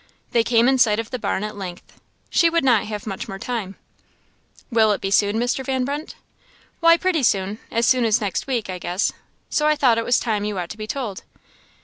They came in sight of the barn at length. She would not have much more time. "Will it be soon, Mr. Van Brunt?" "Why pretty soon as soon as next week, I guess; so I thought it was time you ought to be told.